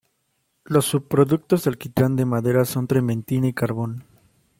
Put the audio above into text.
Los subproductos de alquitrán de madera son trementina y carbón.